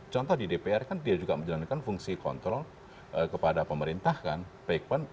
contoh di dpr kan dia juga menjalankan fungsi kontrol kepada pemerintah kan